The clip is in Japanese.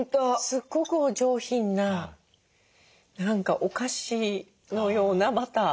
すっごくお上品な何かお菓子のようなバター。